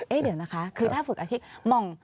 เดี๋ยวนะคะคือถ้าฝึกอาชีพมอง